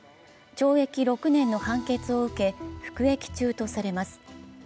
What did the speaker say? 懲役６年の判決を受け、服役中とされます。